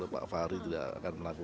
sudah diberikan kesempatan